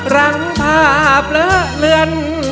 รังภาพเหลือเลือน